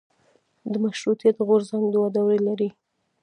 د مشروطیت غورځنګ دوه دورې لري.